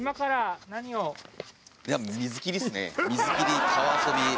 水切り川遊び。